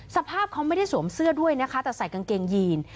สภาพเขาไม่ได้สวมเสื้อด้วยนะคะแต่ใส่กางเกงยีน